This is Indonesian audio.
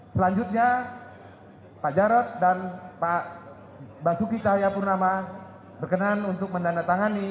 selanjutnya pak jarod dan pak basuki cahayapurnama berkenan untuk menandatangani